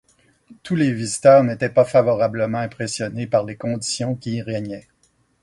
Tous les visiteurs n'étaient pas favorablement impressionnés par les conditions qui y régnaient.